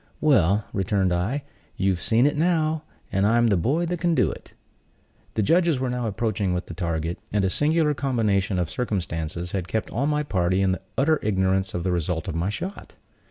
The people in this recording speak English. "Well," returned I, "you've seen it now, and I'm the boy that can do it." The judges were now approaching with the target, and a singular combination of circumstances had kept all my party in utter ignorance of the result of my shot.